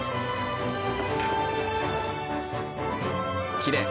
きれい。